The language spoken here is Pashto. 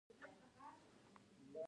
ژوند په مسکاوو ښکلی دي.